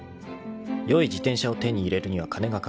［良い自転車を手に入れるには金が掛かる］